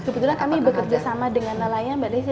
kebetulan kami bekerja sama dengan nelayan mbak desi